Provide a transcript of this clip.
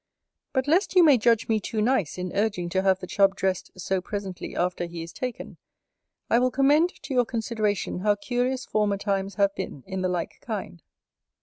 But, lest you may judge me too nice in urging to have the Chub dressed so presently after he is taken, I will commend to your consideration how curious former times have been in the like kind.